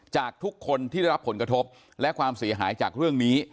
จากทุกคนที่ได้รับผลกระทบและความเสียหายจากเรื่องนี้